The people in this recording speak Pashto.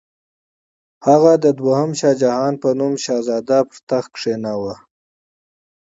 هغه د دوهم شاهجهان په نوم شهزاده پر تخت کښېناوه.